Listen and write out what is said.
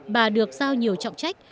bà được giao nhiều trọng trách